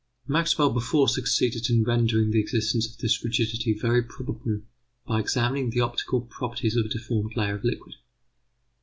Maxwell before succeeded in rendering the existence of this rigidity very probable by examining the optical properties of a deformed layer of liquid.